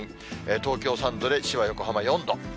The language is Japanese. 東京３度で、千葉、横浜４度。